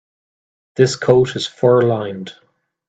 This coat is fur-lined.